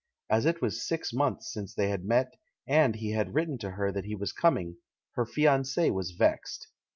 As it was six months since they had met, and he had written to her that he was coming, her fiance was vexed.